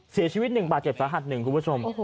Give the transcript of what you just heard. เสียชีวิต๑บาทเจ็บสาหัสหนึ่งคุณผู้ชม